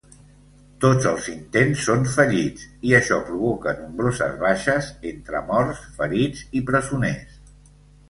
Tots els intents són fallits, i això provoca nombroses baixes, entre morts, ferits i presoners.